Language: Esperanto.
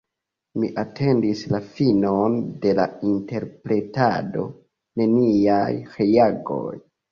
Mi atendis la finon de la interpretado: neniaj reagoj!